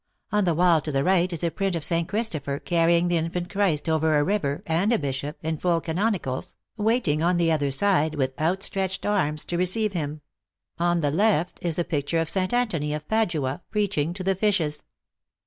On the wall to the right is a print of St. Christopher carrying the infant Christ over a river, and a bishop, in full canonicals, waiting on the other side, with outstretched arms, to receive him ; on the left, is a picture of St. Antony, of Padua, preaching to the fishes.